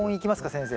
先生。